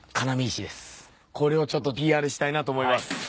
これをちょっとＰＲしたいなと思います。